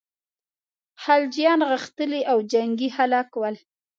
خلجیان غښتلي او جنګي خلک ول.